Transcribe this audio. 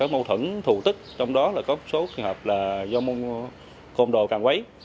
mâu thuẫn thù tích trong đó là có số trường hợp là do môn công đồ càng quấy